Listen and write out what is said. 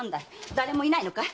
誰もいないのかい？